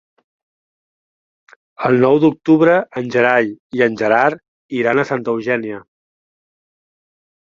El nou d'octubre en Gerai i en Gerard iran a Santa Eugènia.